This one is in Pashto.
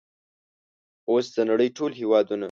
اوس د نړۍ ټول هیوادونه